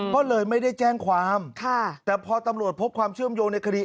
ก็เลยไม่ได้แจ้งความแต่พอตำรวจพบความเชื่อมโยงในคดี